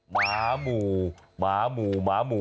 หมาหมู่หมาหมู่หมาหมู่